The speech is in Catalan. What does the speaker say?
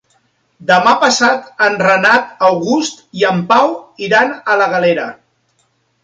Demà passat en Renat August i en Pau iran a la Galera.